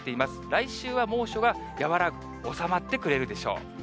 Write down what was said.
来週は猛暑が和らぐ、収まってくれるでしょう。